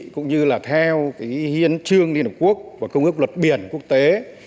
cũng như là theo hiến trương liên hợp quốc và công ước luật biển quốc tế